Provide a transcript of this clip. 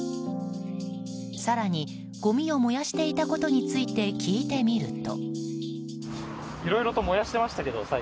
更に、ごみを燃やしていたことについて聞いてみると。